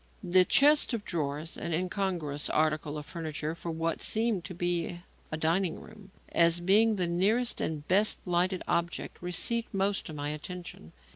The chest of drawers an incongruous article of furniture for what seemed to be a dining room as being the nearest and best lighted object received most of my attention.